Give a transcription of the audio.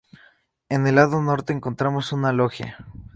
En el lado norte encontramos una "loggia".